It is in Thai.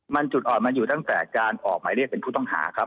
มันจุดอ่อนมันอยู่ตั้งแต่การออกหมายเรียกเป็นผู้ต้องหาครับ